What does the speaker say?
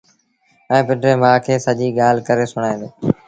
ائيٚݩ پنڊريٚ مآ کي سڄيٚ ڳآل ڪري سُڻآيآݩدي